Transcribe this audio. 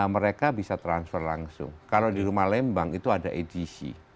mereka bisa transfer langsung kalau di rumah lembang itu ada edc